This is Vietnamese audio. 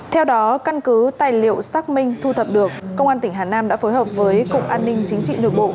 theo đó căn cứ tài liệu xác minh thu thập được công an tỉnh hà nam đã phối hợp với cục an ninh chính trị nội bộ